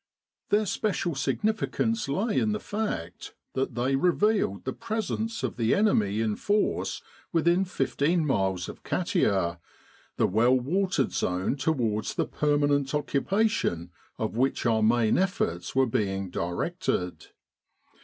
Their special significance lay in the fact that they revealed the presence of the enemy in force within 15 miles of Katia, the well watered zone towards the permanent occupation of which our main efforts were being directed.